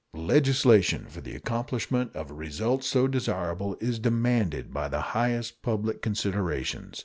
Legislation for the accomplishment of a result so desirable is demanded by the highest public considerations.